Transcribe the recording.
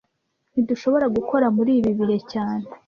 Ntidushobora gukora muri ibi bihe cyane